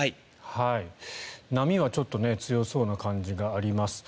波はちょっと強そうな感じがあります。